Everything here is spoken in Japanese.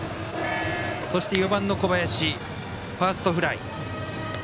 そして４番の小林ファーストフライ。